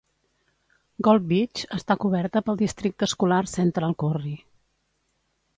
Gold Beach està coberta pel districte escolar Central Curry.